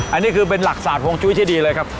อันนี้คือเป็นหลักศาสฮวงจุ้ยที่ดีเลยครับ